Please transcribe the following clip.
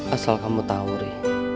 asal kamu tau ri